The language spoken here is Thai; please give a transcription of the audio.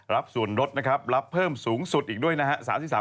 รับส่วนลดนะครับรับเพิ่มสูงสุดอีกด้วยนะฮะ